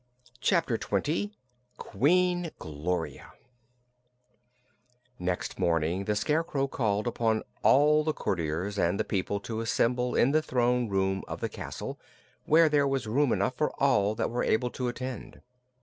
Chapter Twenty Queen Gloria Next morning the Scarecrow called upon all the courtiers and the people to assemble in the throne room of the castle, where there was room enough for all that were able to attend.